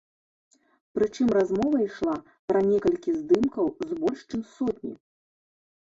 Прычым размова ішла пра некалькі здымкаў з больш чым сотні.